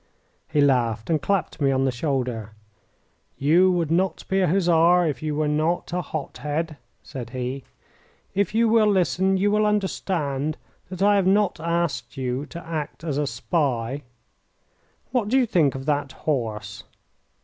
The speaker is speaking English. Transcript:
He laughed and clapped me on the shoulder. "You would not be a Hussar if you were not a hot head," said he. "If you will listen you will understand that I have not asked you to act as a spy. What do you think of that horse?"